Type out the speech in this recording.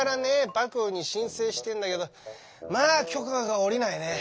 幕府に申請してんだけどまあ許可が下りないね。